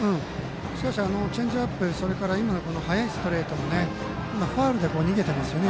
しかし、チェンジアップ速いストレートもファウルで逃げたんですよね